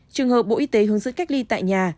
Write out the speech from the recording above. trường hợp bộ y tế hướng dẫn cách ly tại nhà